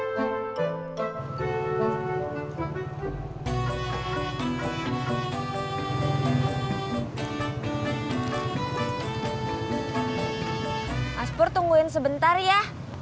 mas pur tungguin sebentar ya